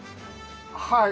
はい。